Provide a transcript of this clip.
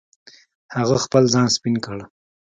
هغه خپل ځان سپین کړ.